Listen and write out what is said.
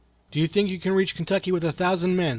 "Do you think you can reach Kentucky with a thousand men?"